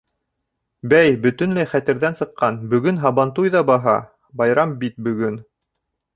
Бәй, бөтөнләй хәтерҙән сыҡҡан: бөгөн һабантуй ҙа баһа, байрам бит бөгөн!